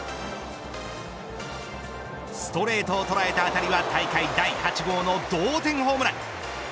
ストレートを捉えた当たりは大会第８号の同点ホームラン。